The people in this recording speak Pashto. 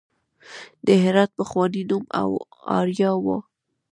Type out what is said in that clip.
د هرات پخوانی نوم اریا و